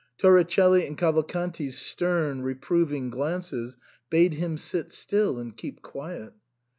Toricelli and Cavalcanti' s stern, reproving glances bade him sit still and keep quiet.